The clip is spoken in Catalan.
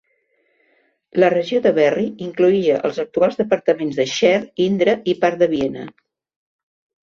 La regió de Berry incloïa els actuals departaments de Cher, Indre i part de Viena.